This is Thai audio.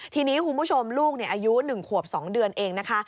ทีนี้คุณผู้ชมลูกอายุ๑ขวบ๒เดือนเองนะคะ